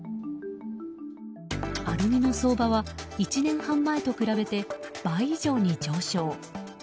アルミの相場は１年半前と比べて倍以上に上昇。